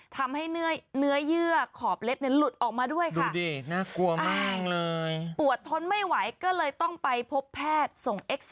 หลับเล็บเนี่ยหลุดออกมาด้วยค่ะดูดิน่ากลัวมากเลยปวดทนไม่ไหวก็เลยต้องไปพบแพทย์ส่ง